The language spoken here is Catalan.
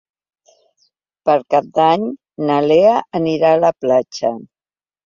Per Cap d'Any na Lea anirà a la platja.